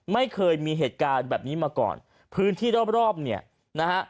ไม่เคยมีเหตุการณ์แบบนี้มาก่อนพื้นที่รอบรอบเนี่ยนะฮะ